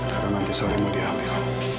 karena nanti sorry mu diambil